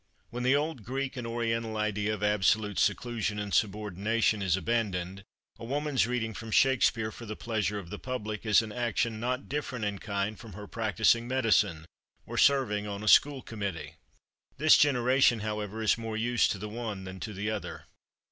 When the old Greek and Oriental idea of absolute seclusion and subordination is abandoned, a woman's reading from Shakespeare for the pleasure of the public is an action not different in kind from her practising medicine or serving on a school committee. This generation, however, is more used to the one than to the other.